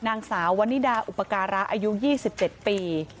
นางสาววันนิดาอุปการะอายุ๒๗ปี